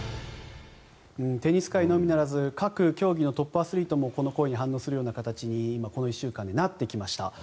テニス界のみならず各競技のトップアスリートもこの声に反応するような形にこの１週間なりました。